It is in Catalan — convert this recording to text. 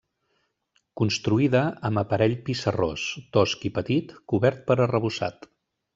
Construïda amb aparell pissarrós, tosc i petit, cobert per arrebossat.